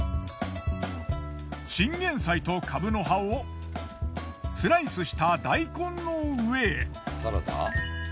チンゲン菜とカブの葉をスライスした大根の上へ。